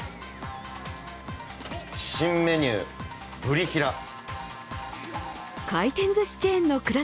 新メニュー、ブリヒラ。